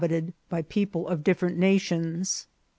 ited by people of different nations.